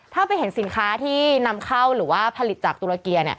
ถ้าไปเห็นสินค้าที่นำเข้าหรือว่าผลิตจากตุรเกีย